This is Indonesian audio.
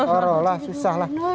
orang lah susah lah